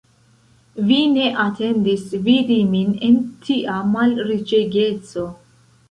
Vi ne atendis vidi min en tia malriĉegeco?